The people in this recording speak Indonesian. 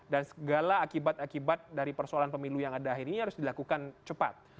dan segala akibat akibat dari persoalan pemilu yang ada akhirnya harus dilakukan cepat